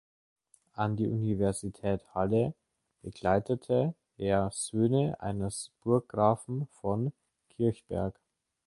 An die Universität Halle begleitete er Söhne eines Burggrafen von Kirchberg.